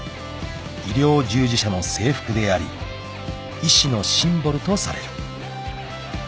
［医療従事者の制服であり医師のシンボルとされる］